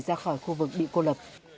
ra khỏi khu vực bị cô lập